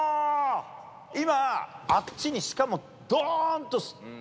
今、あっちに、しかも、どーんと。